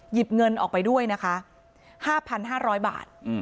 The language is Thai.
หยิบเงินออกไปด้วยนะคะ๕๕๐๐บาท